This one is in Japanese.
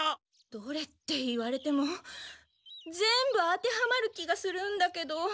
「どれ？」って言われても全部当てはまる気がするんだけど。